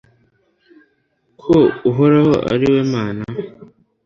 ko uhoraho ari we mana